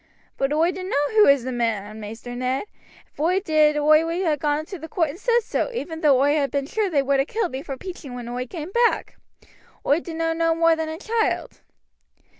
"But oi dunno who is the man, Maister Ned. If oi did oi would ha' gone into the court and said so, even though oi had been sure they would ha' killed me for peaching when oi came back. Oi dunno no more than a child."